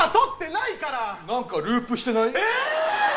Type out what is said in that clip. なんかループしてない？